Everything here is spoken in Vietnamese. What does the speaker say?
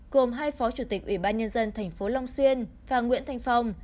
gồm hai phó chủ tịch ủy ban nhân dân tp long xuyên và nguyễn thanh phong